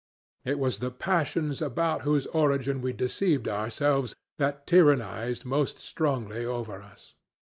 It was the passions about whose origin we deceived ourselves that tyrannized most strongly over us.